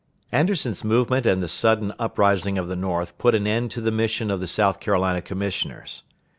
Anderson's movement and the sudden uprising of the North put an end to the mission of the South Carolina commissioners.